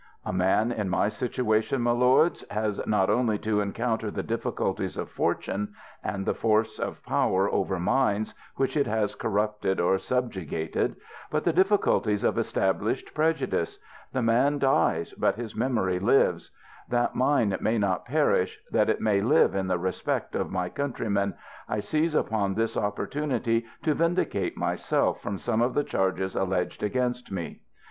A man in my situation, my lords, has not only to en counter the difficulties of fortune, and the force of power over minds which it has corrupted or subjugated, but the difficulties of established prejudice : ŌĆö the man dies, but his memory lives : that mine may not perish, that it may live in the respect of my countrymen, I seize upon this opportunity to vindicate myself from some of the charges alleged against me.